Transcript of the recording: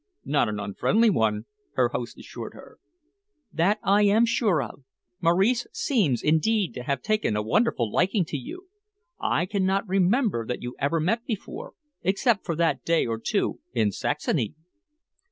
"Not an unfriendly one," her host assured her. "That I am sure of. Maurice seems, indeed, to have taken a wonderful liking to you. I cannot remember that you ever met before, except for that day or two in Saxony?"